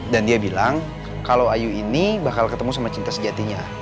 dan dia bilang kalau ayu ini bakal ketemu sama cinta sejatinya